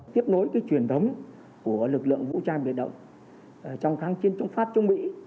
tiếp nối với truyền thống của lực lượng vũ trang biệt động trong kháng chiến chống pháp chống mỹ